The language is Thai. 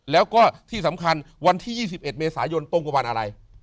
แล้วก็ที่สำคัญวันที่๒๑เมษายนตรงกับวันอะไร